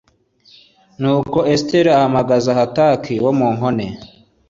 nuko esiteri ahamagaza hataki wo mu nkone